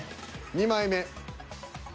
２枚目。